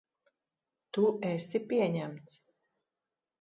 Tu esi pieņemts.